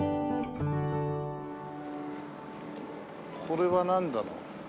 これはなんだろう？